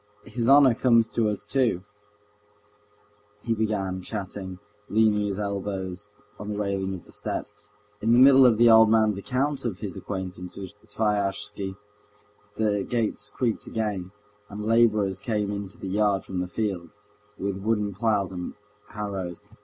His honor comes to us too," he began, chatting, leaning his elbows on the railing of the steps. In the middle of the old man's account of his acquaintance with Sviazhsky, the gates creaked again, and laborers came into the yard from the fields, with wooden ploughs and harrows.